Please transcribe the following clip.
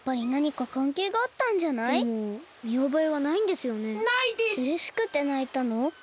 かなしくてないたの？